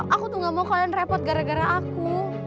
aku tuh gak mau kalian repot gara gara aku